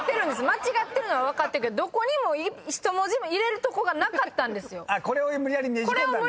間違ってるのは分かってるけど１文字も入れるとこがなかったんですよ。